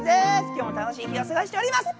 今日も楽しい日をすごしております！